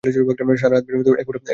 সারা রাত বিনু এক ফোঁটা ঘুমুতে পারল না।